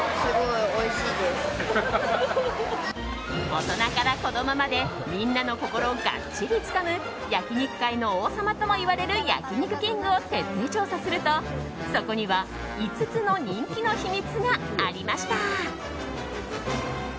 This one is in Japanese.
大人から子供までみんなの心をがっちりつかむ焼き肉界の王様とも呼ばれる焼肉きんぐを徹底調査するとそこには５つの人気の秘密がありました。